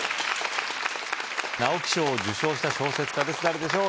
直木賞を受賞した小説家です誰でしょう